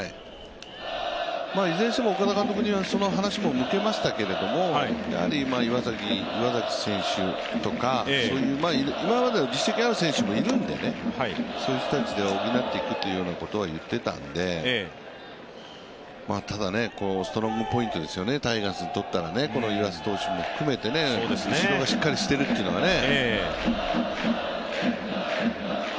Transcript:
いずれにしても岡田監督にはその話も向けましたけれども、岩崎選手とか今までの実績ある選手がいるのでそういう人たちで補っていくというようなことは言ってたのでただ、ストロングポイントですよねタイガースにとったら、この湯浅投手も含めて後ろがしっかりしているというのはね。